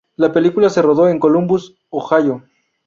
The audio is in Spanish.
La película se rodó en Columbus, Ohio.